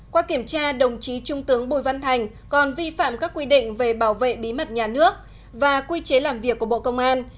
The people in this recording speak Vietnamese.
qua kiểm tra đồng chí trung tướng bùi văn thành còn vi phạm các quy định về bảo vệ bí mật nhà nước và quy chế làm việc của bộ công an